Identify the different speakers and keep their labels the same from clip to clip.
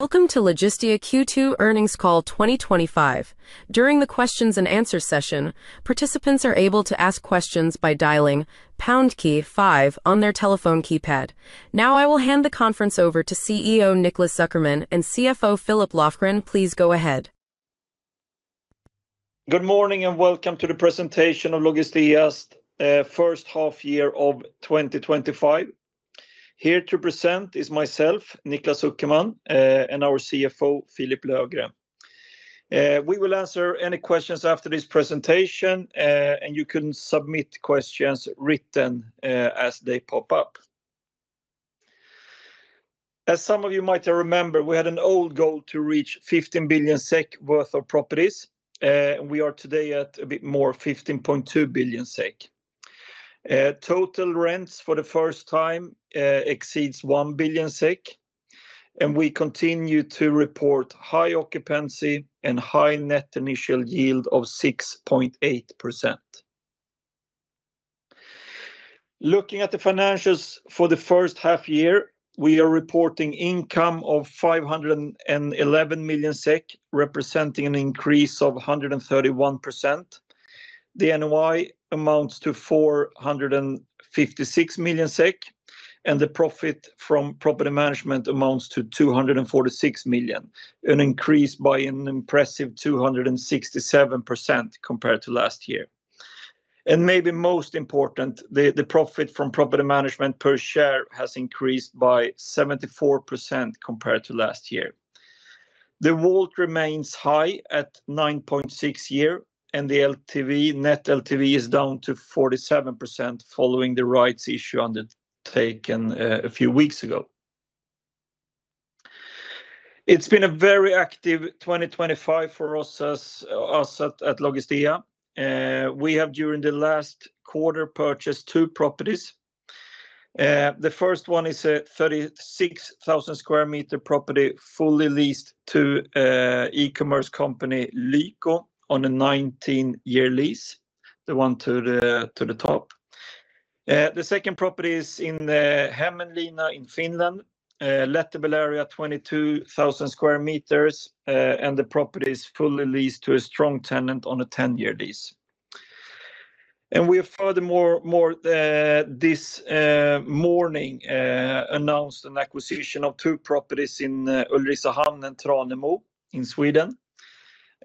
Speaker 1: Welcome to Logistea Q2 earnings call 2025. During the questions and answers session, participants are able to ask questions by dialing pound key five on their telephone keypad. Now, I will hand the conference over to CEO Niklas Zuckerman and CFO Philip Löfgren, please go ahead.
Speaker 2: Good morning and welcome to the presentation of Logistea's first half year of 2025. Here to present is myself, Niklas Zuckerman, and our CFO, Philip Löfgren. We will answer any questions after this presentation, and you can submit questions written as they pop up. As some of you might remember, we had an old goal to reach 15 billion SEK worth of properties, and we are today at a bit more, 15.2 billion SEK. Total rents for the first time exceed 1 billion SEK, and we continue to report high occupancy and high net initial yield of 6.8%. Looking at the financials for the first half year, we are reporting income of 511 million SEK, representing an increase of 131%. The NOI amounts to 456 million SEK, and the profit from property management amounts to 246 million, an increase by an impressive 267% compared to last year. Maybe most important, the profit from property management per share has increased by 74% compared to last year. The WALT remains high at 9.6 years, and the net LTV is down to 47% following the rights issue undertaken a few weeks ago. It's been a very active 2025 for us at Logistea. We have, during the last quarter, purchased two properties. The first one is a 36,000 sq m property fully leased to e-commerce company Lyko on a 19-year lease, the one to the top. The second property is in Hämeenlinna in Finland, a lettable area of 22,000 sq m, and the property is fully leased to a strong tenant on a 10-year lease. We have furthermore, this morning, announced an acquisition of two properties in Ulricehamn and Tranemo in Sweden.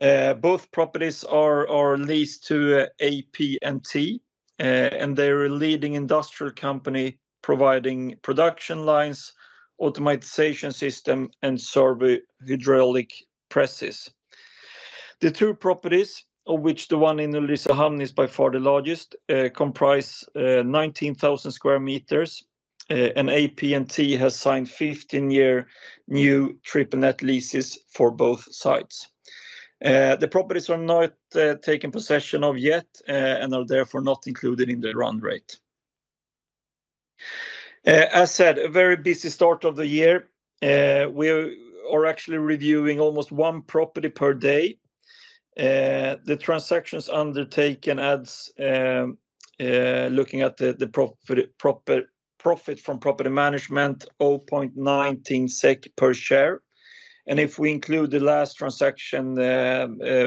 Speaker 2: Both properties are leased to AP&T, and they are a leading industrial company providing production lines, automatization systems, and servo hydraulic presses. The two properties, of which the one in Ulricehamn is by far the largest, comprise 19,000 square meters, and AP&T has signed 15-year new triple net leases for both sites. The properties are not taken possession of yet and are therefore not included in the run rate. As I said, a very busy start of the year. We are actually reviewing almost one property per day. The transactions undertaken add, looking at the profit from property management, 0.19 SEK per share. If we include the last transaction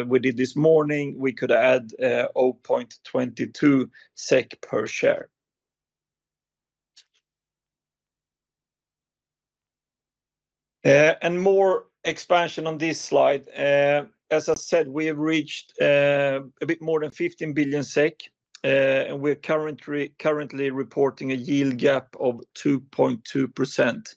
Speaker 2: we did this morning, we could add 0.22 SEK per share. More expansion on this slide. As I said, we have reached a bit more than 15 billion SEK, and we are currently reporting a yield gap of 2.2%,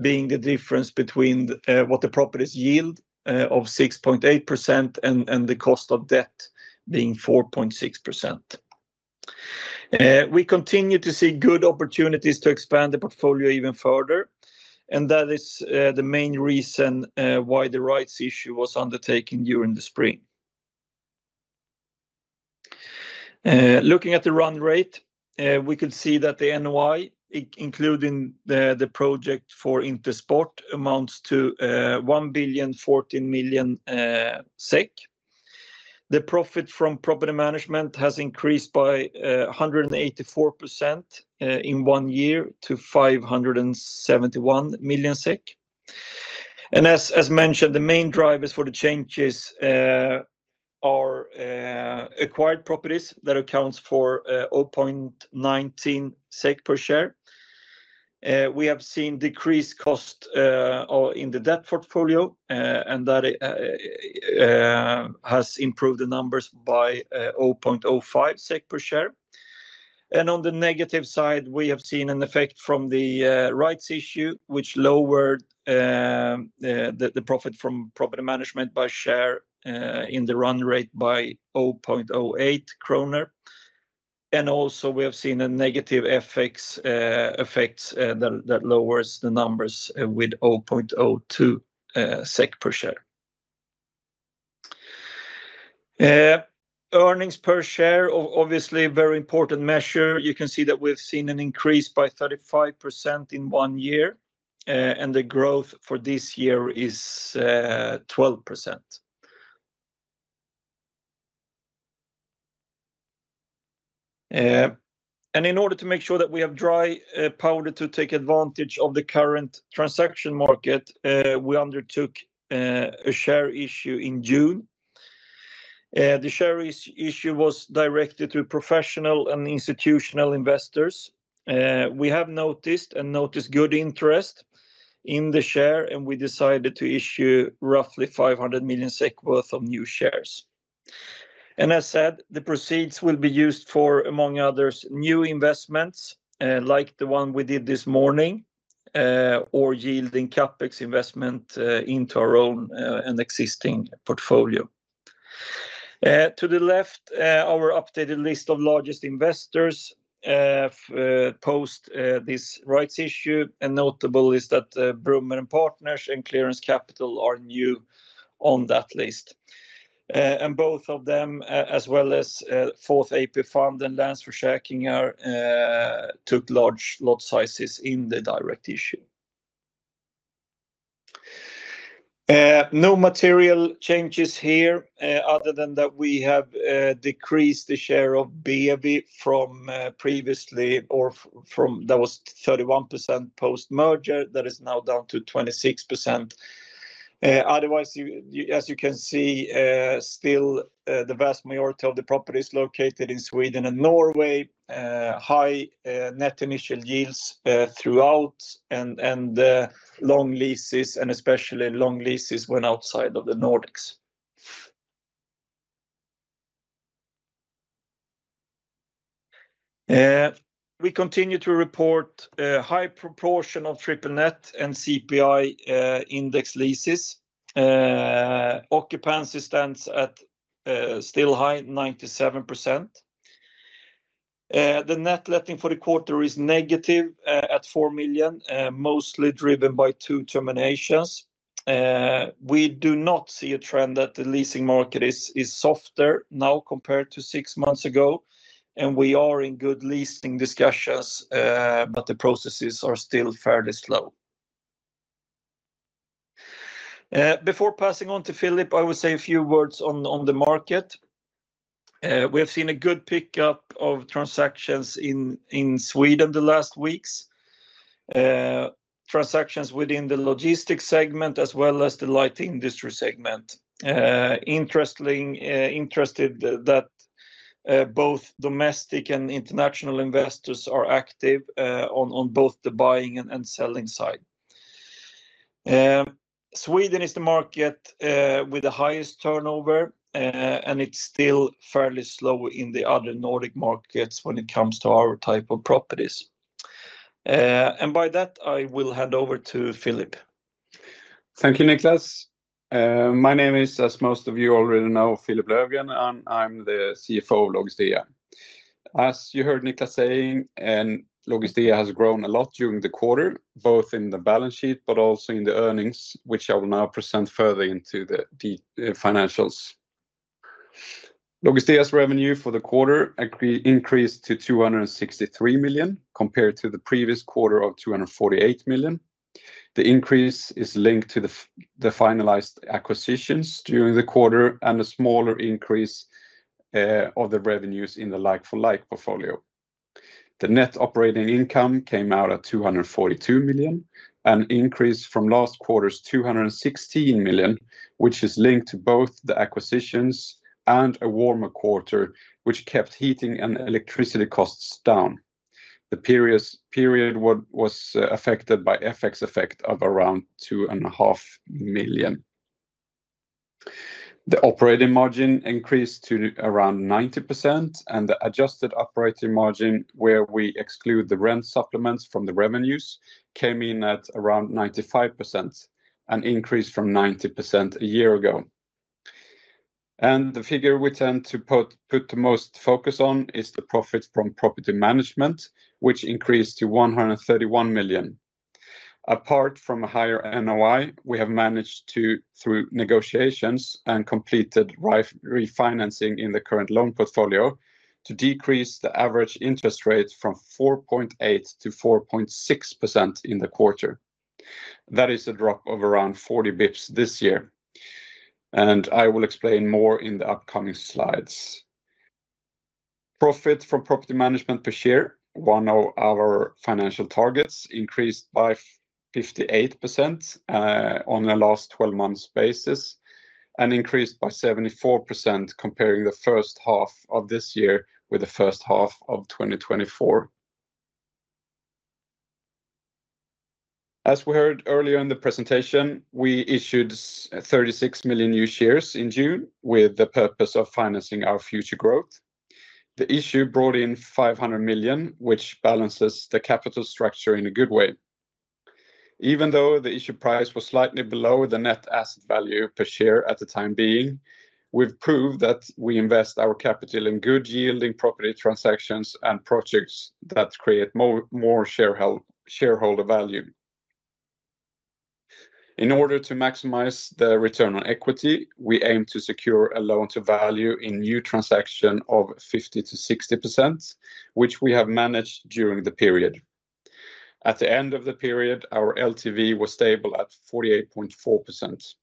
Speaker 2: being the difference between what the properties yield of 6.8% and the cost of debt being 4.6%. We continue to see good opportunities to expand the portfolio even further, and that is the main reason why the rights issue was undertaken during the spring. Looking at the run rate, we could see that the NOI, including the project for Intersport, amounts to 1.14 billion. The profit from property management has increased by 184% in one year to 571 million SEK. As mentioned, the main drivers for the changes are acquired properties that account for 0.19 SEK per share. We have seen decreased costs in the debt portfolio, and that has improved the numbers by 0.05 SEK per share. On the negative side, we have seen an effect from the rights issue, which lowered the profit from property management per share in the run rate by 0.08 kronor. Also, we have seen a negative effect that lowers the numbers by 0.02 SEK per share. Earnings per share, obviously a very important measure. You can see that we've seen an increase by 35% in one year, and the growth for this year is 12%. In order to make sure that we have dry powder to take advantage of the current transaction market, we undertook a share issue in June. The share issue was directed to professional and institutional investors. We have noticed and noticed good interest in the share, and we decided to issue roughly 500 million SEK worth of new shares. As I said, the proceeds will be used for, among others, new investments, like the one we did this morning, or yielding CapEx investment into our own and existing portfolio. To the left, our updated list of largest investors post this rights issue, and notable is that Brummer & Partners and Clearance Capital are new on that list. Both of them, as well as Fourth AP Fund and Länsförsäkringar, took large lot sizes in the direct issue. No material changes here, other than that we have decreased the share of BAB from previously, or from what was 31% post merger. That is now down to 26%. Otherwise, as you can see, still the vast majority of the properties located in Sweden and Norway, high net initial yields throughout, and long leases, and especially long leases when outside of the Nordics. We continue to report a high proportion of triple net and CPI index leases. Occupancy stands at still high, 97%. The net letting for the quarter is negative at 4 million, mostly driven by two terminations. We do not see a trend that the leasing market is softer now compared to six months ago, and we are in good leasing discussions, but the processes are still fairly slow. Before passing on to Philip, I will say a few words on the market. We have seen a good pickup of transactions in Sweden the last weeks. Transactions within the logistics segment, as well as the light industry segment. Interested that both domestic and international investors are active on both the buying and selling side. Sweden is the market with the highest turnover, and it's still fairly slow in the other Nordic markets when it comes to our type of properties. By that, I will hand over to Philip.
Speaker 3: Thank you, Niklas. My name is, as most of you already know, Philip Löfgren, and I'm the CFO of Logistea. As you heard Niklas saying, and Logistea has grown a lot during the quarter, both in the balance sheet, but also in the earnings, which I will now present further into the financials. Logistea's revenue for the quarter increased to 263 million compared to the previous quarter of 248 million. The increase is linked to the finalized acquisitions during the quarter and a smaller increase of the revenues in the like-for-like portfolio. The net operating income came out at 242 million, an increase from last quarter's 216 million, which is linked to both the acquisitions and a warmer quarter, which kept heating and electricity costs down. The period was affected by the FX effect of around 2.5 million. The operating margin increased to around 90%, and the adjusted operating margin, where we exclude the rent supplements from the revenues, came in at around 95%, an increase from 90% a year ago. The figure we tend to put the most focus on is the profit from property management, which increased to 131 million. Apart from a higher NOI, we have managed to, through negotiations and completed refinancing in the current loan portfolio, to decrease the average interest rate from 4.8% to 4.6% in the quarter. That is a drop of around 40 bps this year. I will explain more in the upcoming slides. Profit from property management per share, one of our financial targets, increased by 58% on the last 12 months basis and increased by 74% comparing the first half of this year with the first half of 2024. As we heard earlier in the presentation, we issued 36 million new shares in June with the purpose of financing our future growth. The issue brought in 500 million, which balances the capital structure in a good way. Even though the issue price was slightly below the net asset value per share at the time being, we've proved that we invest our capital in good yielding property transactions and projects that create more shareholder value. In order to maximize the return on equity, we aim to secure a loan-to-value in new transactions of 50%-60%, which we have managed during the period. At the end of the period, our LTV was stable at 48.4%.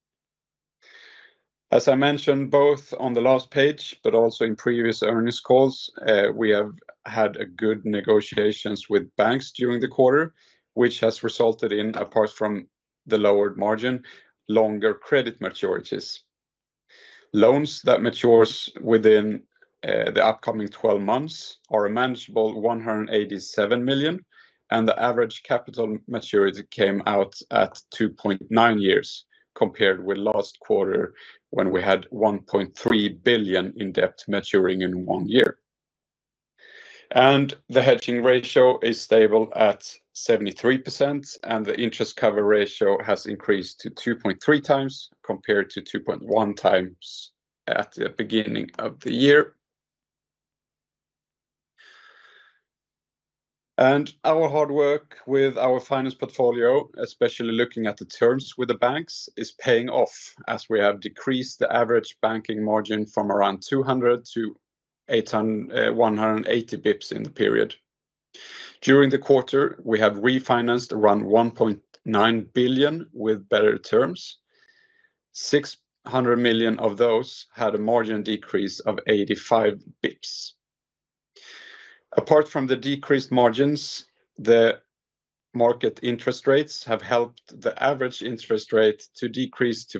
Speaker 3: As I mentioned, both on the last page, but also in previous earnings calls, we have had good negotiations with banks during the quarter, which has resulted in, apart from the lowered margin, longer credit maturities. Loans that mature within the upcoming 12 months are a manageable 187 million, and the average capital maturity came out at 2.9 years compared with last quarter when we had 1.3 billion in debt maturing in one year. The hedging ratio is stable at 73%, and the interest cover ratio has increased to 2.3x compared to 2.1x at the beginning of the year. Our hard work with our finance portfolio, especially looking at the terms with the banks, is paying off as we have decreased the average banking margin from around 200 to 180 bps in the period. During the quarter, we have refinanced around 1.9 billion with better terms. 600 million of those had a margin decrease of 85 bps. Apart from the decreased margins, the market interest rates have helped the average interest rate to decrease to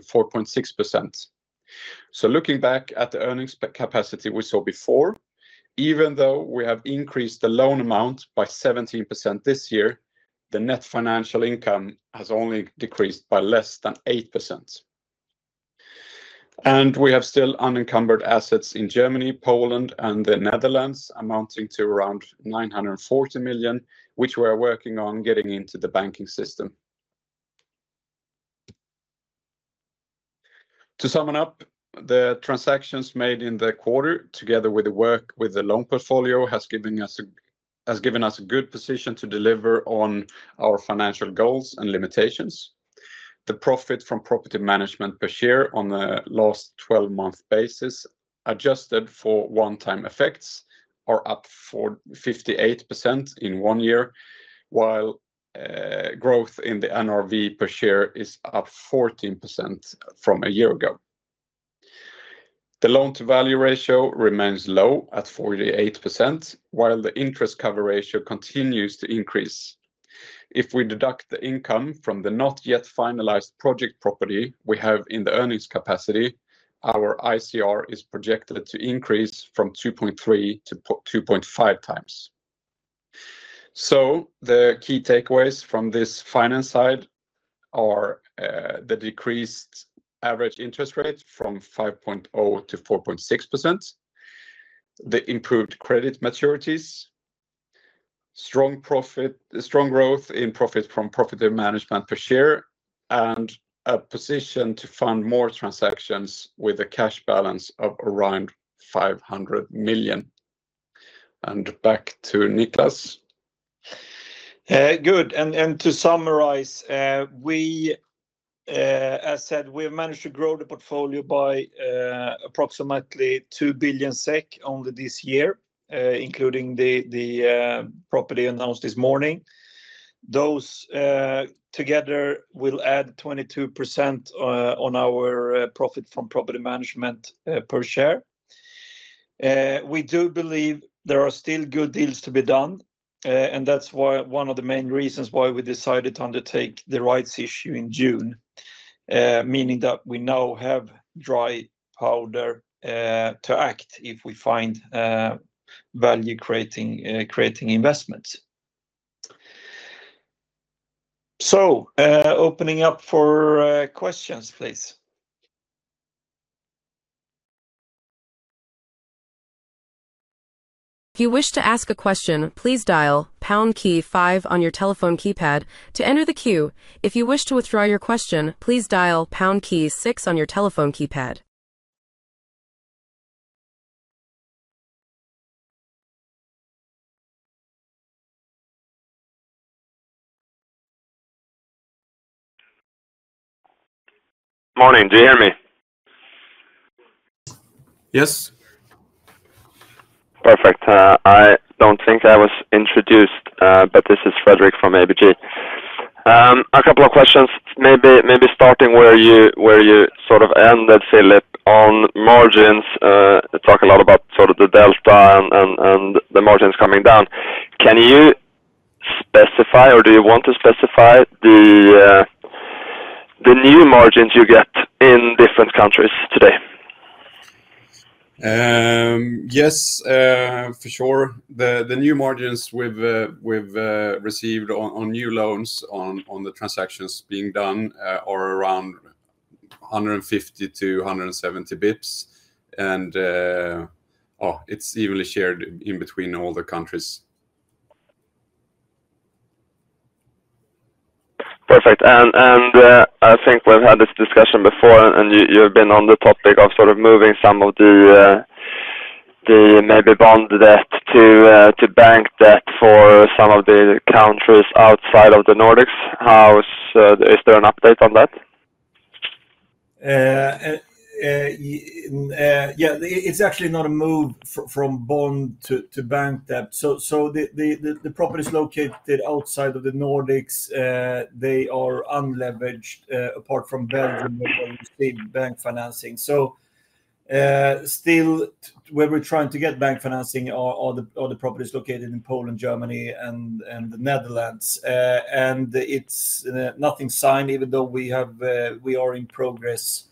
Speaker 3: 4.6%. Looking back at the earnings capacity we saw before, even though we have increased the loan amount by 17% this year, the net financial income has only decreased by less than 8%. We have still unencumbered assets in Germany, Poland, and the The Netherlands, amounting to around 940 million, which we are working on getting into the banking system. To sum up, the transactions made in the quarter, together with the work with the loan portfolio, have given us a good position to deliver on our financial goals and limitations. The profit from property management per share on the last 12-month basis, adjusted for one-time effects, is up 58% in one year, while growth in the NRV per share is up 14% from a year ago. The loan-to-value ratio remains low at 48%, while the interest cover ratio continues to increase. If we deduct the income from the not yet finalized project property we have in the earnings capacity, our ICR is projected to increase from 2.3x to 2.5x. The key takeaways from this finance side are the decreased average interest rate from 5.0% to 4.6%, the improved credit maturities, strong growth in profit from property management per share, and a position to fund more transactions with a cash balance of around 500 million. Back to Niklas.
Speaker 2: Good. To summarize, as I said, we have managed to grow the portfolio by approximately 2 billion SEK only this year, including the property announced this morning. Those together will add 22% on our profit from property management per share. We do believe there are still good deals to be done, which is one of the main reasons why we decided to undertake the rights issue in June, meaning that we now have dry powder to act if we find value creating investments. Opening up for questions, please.
Speaker 1: If you wish to ask a question, please dial the pound key five on your telephone keypad to enter the queue. If you wish to withdraw your question, please dial the pound key six on your telephone keypad.
Speaker 4: Morning. Do you hear me?
Speaker 3: Yes.
Speaker 4: Perfect. I don't think I was introduced, but this is Fredrik from ABG. A couple of questions, maybe starting where you sort of ended, Philip, on margins. Talk a lot about sort of the delta and the margins coming down. Can you specify or do you want to specify the new margins you get in different countries today?
Speaker 3: Yes, for sure. The new margins we've received on new loans on the transactions being done are around 150bps-170 bps, and it's evenly shared in between all the countries.
Speaker 4: Perfect. I think we've had this discussion before, and you have been on the topic of sort of moving some of the maybe bond debt to bank debt for some of the countries outside of the Nordics. Is there an update on that?
Speaker 2: Yeah. It's actually not a move from bond to bank debt. The properties located outside of the Nordics are unleveraged, apart from Belgium where we received bank financing. Where we're trying to get bank financing are the properties located in Poland, Germany, and The Netherlands. It's nothing signed, even though we are in progress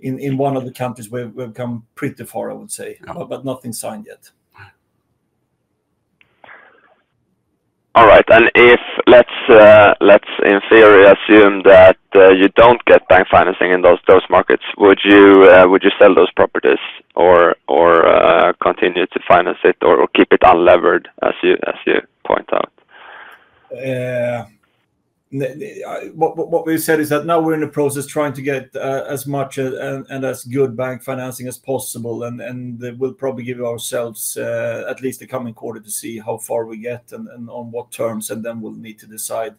Speaker 2: in one of the countries where we've come pretty far, I would say, but nothing signed yet.
Speaker 4: All right. If, let's, in theory, assume that you don't get bank financing in those markets, would you sell those properties or continue to finance it or keep it unlevered, as you point out?
Speaker 2: What we've said is that now we're in the process trying to get as much and as good bank financing as possible, and we'll probably give ourselves at least the coming quarter to see how far we get and on what terms. Then we'll need to decide,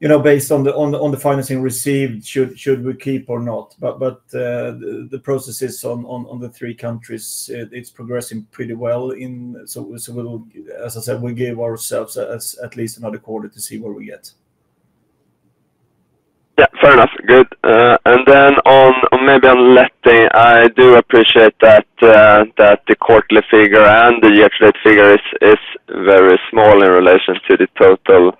Speaker 2: you know, based on the financing received, should we keep or not. The process is on the three countries. It's progressing pretty well. We'll give ourselves at least another quarter to see where we get.
Speaker 4: Fair enough. Good. On letting, I do appreciate that the quarterly figure and the year-to-date figure is very small in relation to the total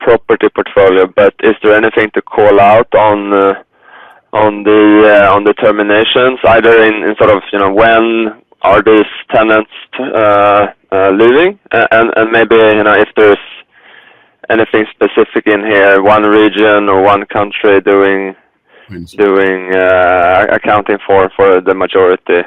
Speaker 4: property portfolio, but is there anything to call out on the terminations, either in sort of, you know, when are these tenants leaving? Maybe, you know, if there's anything specific in here, one region or one country doing accounting for the majority?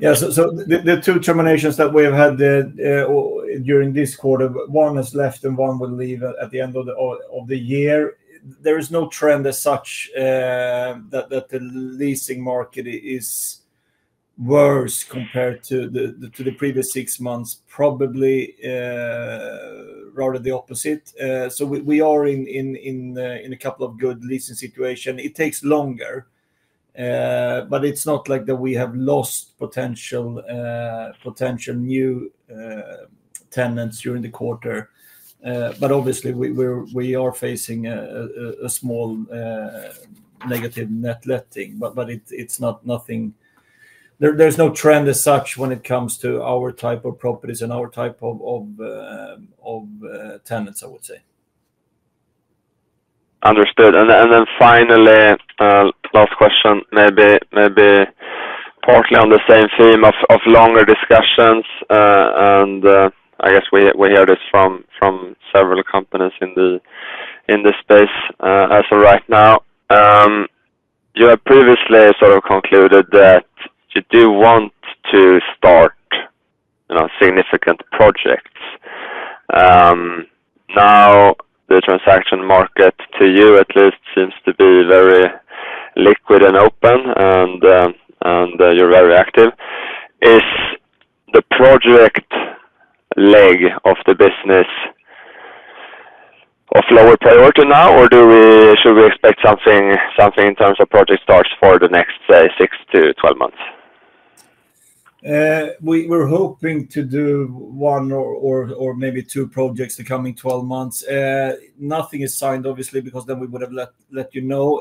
Speaker 2: Yeah. The two terminations that we have had during this quarter, one is left and one will leave at the end of the year. There is no trend as such that the leasing market is worse compared to the previous six months, probably rather the opposite. We are in a couple of good leasing situations. It takes longer, but it's not like that we have lost potential new tenants during the quarter. Obviously, we are facing a small negative net letting, but it's not nothing. There's no trend as such when it comes to our type of properties and our type of tenants, I would say.
Speaker 4: Understood. Finally, last question, maybe partly on the same theme of longer discussions, and I guess we hear this from several companies in the space as of right now. You have previously sort of concluded that you do want to start, you know, significant projects. Now, the transaction market, to you at least, seems to be very liquid and open, and you're very active. Is the project leg of the business of lower priority now, or should we expect something in terms of project starts for the next, say, 6-12 months?
Speaker 2: We're hoping to do one or maybe two projects the coming 12 months. Nothing is signed, obviously, because then we would have let you know.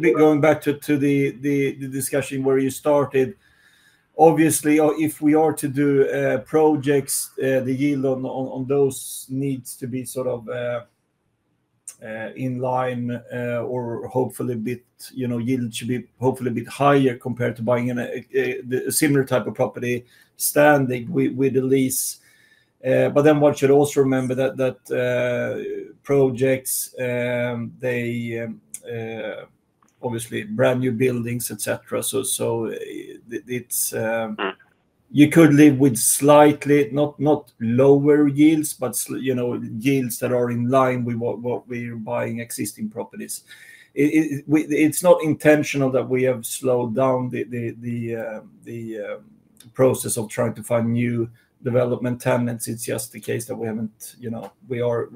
Speaker 2: Going back to the discussion where you started, obviously, if we are to do projects, the yield on those needs to be sort of in line, or hopefully, yield should be hopefully a bit higher compared to buying a similar type of property standing with the lease. One should also remember that projects, they obviously brand new buildings, etc. You could live with slightly, not lower yields, but yields that are in line with what we are buying existing properties. It's not intentional that we have slowed down the process of trying to find new development tenants. It's just the case that we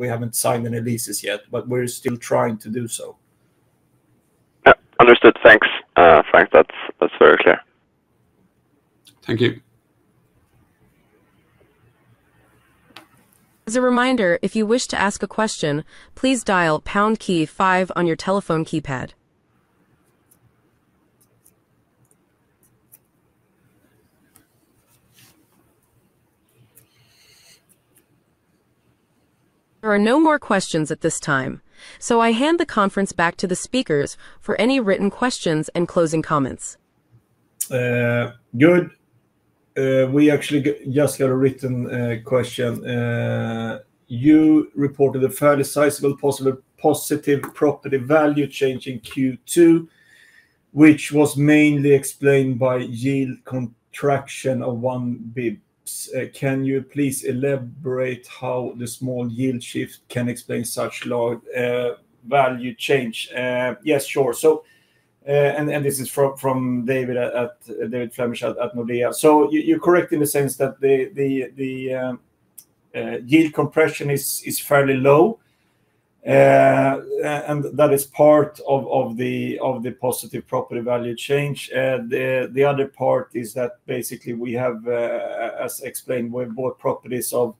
Speaker 2: haven't signed any leases yet, but we're still trying to do so.
Speaker 4: Yeah, understood. Thanks, thanks. That's very clear.
Speaker 2: Thank you.
Speaker 1: As a reminder, if you wish to ask a question, please dial the pound key five on your telephone keypad. There are no more questions at this time. I hand the conference back to the speakers for any written questions and closing comments.
Speaker 2: Good. We actually just got a written question. You reported a fairly sizable positive property value change in Q2, which was mainly explained by yield contraction of 1 bps. Can you please elaborate how the small yield shift can explain such value change? Yes, sure. This is from David Flemmich at Nordea. You're correct in the sense that the yield compression is fairly low, and that is part of the positive property value change. The other part is that basically we have, as explained, we bought properties of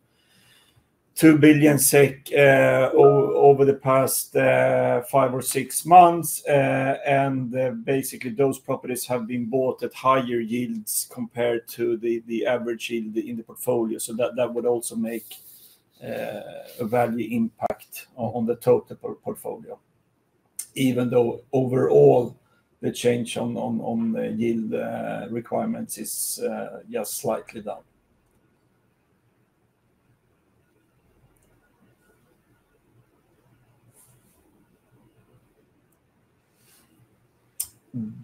Speaker 2: 2 billion SEK over the past five or six months, and basically, those properties have been bought at higher yields compared to the average yield in the portfolio. That would also make a value impact on the total portfolio, even though overall the change on yield requirements is just slightly down.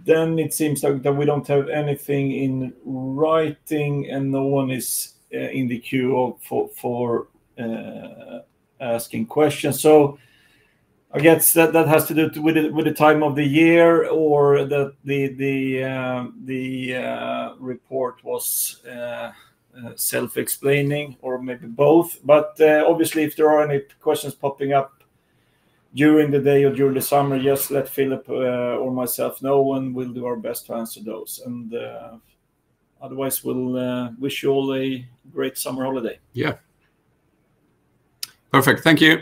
Speaker 2: It seems that we don't have anything in writing, and no one is in the queue for asking questions. I guess that has to do with the time of the year or that the report was self-explaining or maybe both. Obviously, if there are any questions popping up during the day or during the summer, just let Philip or myself know, and we'll do our best to answer those. Otherwise, we'll wish you all a great summer holiday.
Speaker 3: Yeah. Perfect. Thank you.